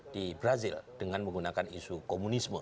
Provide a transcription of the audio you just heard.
di brazil dengan menggunakan isu komunisme